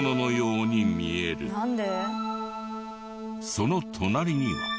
その隣には。